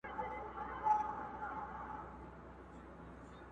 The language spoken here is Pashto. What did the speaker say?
o اول ځان، پسې جهان!